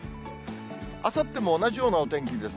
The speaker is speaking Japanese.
あさっても同じようなお天気です。